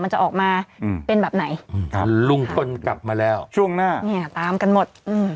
จะออกมาเป็นแบบไหนลุงพลกลับมาแล้วช่วงหน้าเนี่ยตามกันหมดอืม